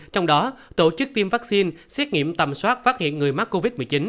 trong đó tổ chức tiêm vaccine xét nghiệm tầm soát phát hiện người mắc covid một mươi chín